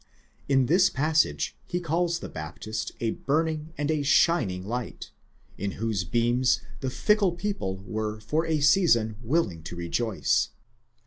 In this passage he calls the Baptist a burning and a shining light, in whose beams the fickle people were for a season willing to rejoice.